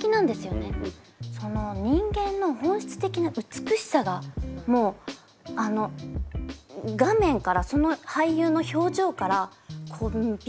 その人間の本質的な美しさがもうあの画面からその俳優の表情からビシビシ伝わってくるんです。